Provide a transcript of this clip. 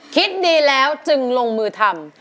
คิดดีแล้วจึงลงมือทำ